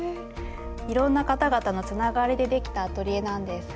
いろんな方々のつながりでできたアトリエなんです。